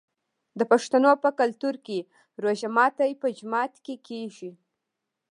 د پښتنو په کلتور کې د روژې ماتی په جومات کې کیږي.